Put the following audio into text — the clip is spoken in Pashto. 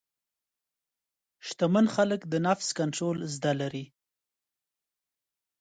شتمن خلک د نفس کنټرول زده لري.